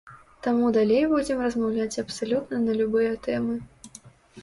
Таму далей будзем размаўляць абсалютна на любыя тэмы.